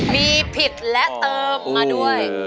มีผิดและเติมมาด้วย